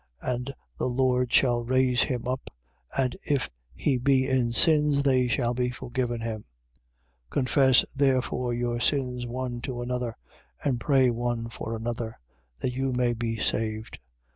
And the Lord shall raise him up: and if he be in sins, they shall be forgiven him. 5:16. Confess therefore your sins one to another: and pray one for another, that you may be saved.